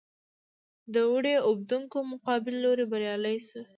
د وړۍ اوبدونکو مقابل لوری بریالي شول.